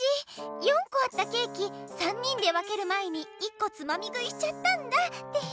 ４こあったケーキ３人で分ける前に１こつまみ食いしちゃったんだテヘ。